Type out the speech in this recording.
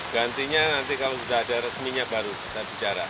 gantinya nanti kalau sudah ada resminya baru saya bicara